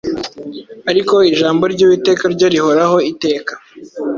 ariko ijambo ry’uwiteka ryo rihoraho iteka.